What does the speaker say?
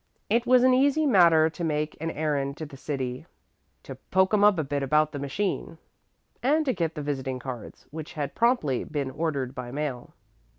It was an easy matter to make an errand to the City, "to poke 'em up a bit about the machine," and to get the visiting cards, which had promptly been ordered by mail.